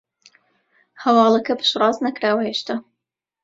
هەواڵەکە پشتڕاست نەکراوە هێشتا